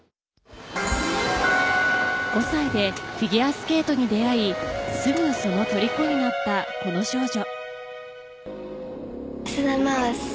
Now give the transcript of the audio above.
５歳でフィギュアスケートに出会いすぐにそのとりこになったこの少女。